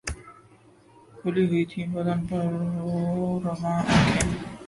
کھُلی ہوئی تھیں بدن پر رُواں رُواں آنکھیں